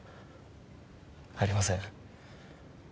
ありません。